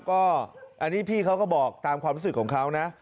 ก็อันนี้พี่เขาก็บอกตามความรู้สึกของเขานะ